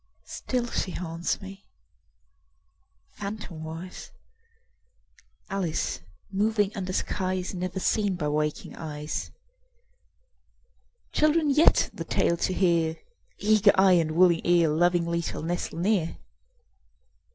Still she haunts me, phantomwise, Alice moving under skies Never seen by waking eyes. Children yet, the tale to hear, Eager eye and willing ear, Lovingly shall nestle near.